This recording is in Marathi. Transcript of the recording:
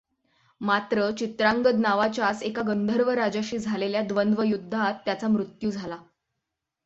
मात्र चित्रांगद नावाच्याच एका गंधर्व राजाशी झालेल्या द्वंद्वयुद्धात त्याचा मृत्यू झाला.